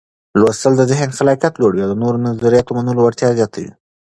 لوستل د ذهن خلاقيت لوړوي او د نوو نظریاتو منلو وړتیا زیاتوي.